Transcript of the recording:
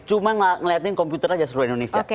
cuma ngeliatin komputer aja seluruh indonesia